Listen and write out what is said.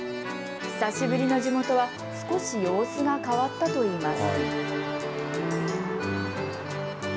久しぶりの地元は少し様子が変わったといいます。